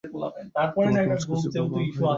তোমাকে মিস করছি papa- hi guys!